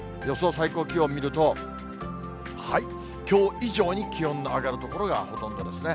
最高気温見ると、きょう以上に気温の上がる所がほとんどですね。